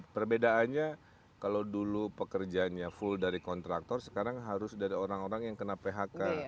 perbedaannya kalau dulu pekerjaannya full dari kontraktor sekarang harus dari orang orang yang kena phk